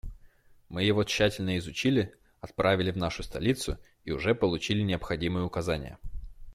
Мы его тщательно изучили, отправили в нашу столицу и уже получили необходимые указания.